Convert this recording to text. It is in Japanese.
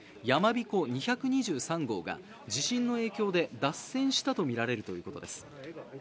「やまびこ２２３号」が地震の影響で脱線したとみられるということです。